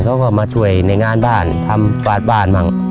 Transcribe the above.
เขาก็มาช่วยในงานบ้านทำฟาดบ้านบ้าง